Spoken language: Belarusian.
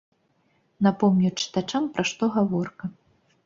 Напомню чытачам, пра што гаворка.